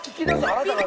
あなたが。